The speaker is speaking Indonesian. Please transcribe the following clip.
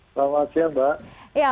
selamat siang mbak